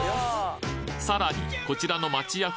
さらにこちらの町家風